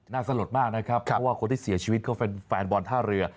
สลดมากนะครับเพราะว่าคนที่เสียชีวิตก็เป็นแฟนบอลท่าเรือ